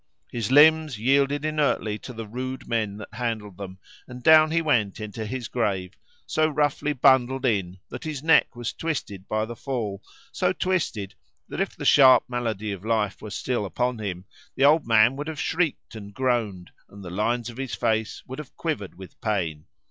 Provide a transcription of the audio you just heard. His limbs yielded inertly to the rude men that handled them, and down he went into his grave, so roughly bundled in that his neck was twisted by the fall, so twisted, that if the sharp malady of life were still upon him the old man would have shrieked and groaned, and the lines of his face would have quivered with pain.